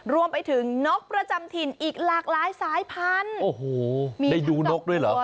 รวมไปถึงนกประจำถิ่นอีกหลากหลายสายพันธุ์โอ้โหได้ดูนกด้วยเหรอ